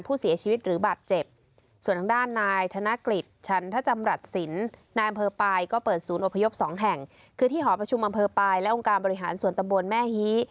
ปลายก็เปิดศูนย์อพยพ๒แห่งคือที่หอประชุมอำเภอปลายและองค์การบริหารสวนตำบวนแม่ฮี